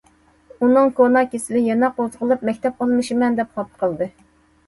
ئۇنىڭ كونا كېسىلى يەنە قوزغىلىپ‹‹ مەكتەپ ئالمىشىمەن›› دەپ خاپا قىلدى.